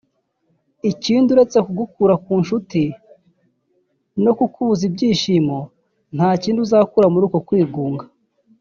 Ikindi uretse kugukura ku nshuti no kukubuza ibyishimo nta kindi kiza uzakura muri uko kwigunga